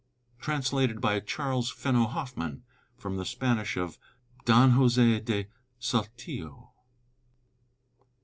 Translated by CHARLES FENNO HOFFMAN from the Spanish of DON JOSE DE SALTILLO.